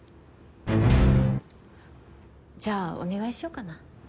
じゃあお願いしようかな。